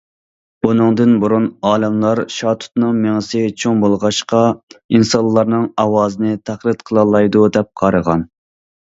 بۇنىڭدىن بۇرۇن ئالىملار شاتۇتنىڭ مېڭىسى چوڭ بولغاچقا، ئىنسانلارنىڭ ئاۋازىنى تەقلىد قىلالايدۇ دەپ قارىغان.